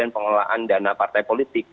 pengelolaan dana partai politik